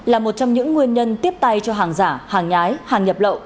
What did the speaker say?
là một trong những nguyên nhân tiếp tay cho hàng giả hàng nhái hàng nhập lậu